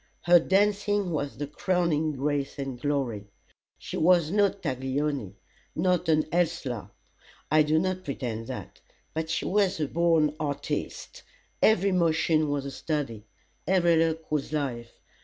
Her dancing was the crowning grace and glory. She was no Taglioni not an Ellsler I do not pretend that. But she was a born artiste. Every motion was a study. Every look was life.